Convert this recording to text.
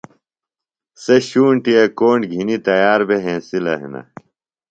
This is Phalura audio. سےۡ شونٹے کونٹ گھِنیۡ تیار بھےۡ ہِنسِلہ ہِنہ